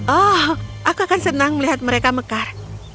oh aku akan senang melihat mereka mekar